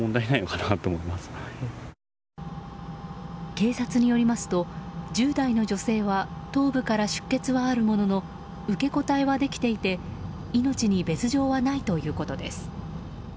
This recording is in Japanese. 警察によりますと１０代の女性は頭部から出血はあるものの受け答えはできていて命に別条はないということです。